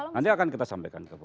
nanti akan kita sampaikan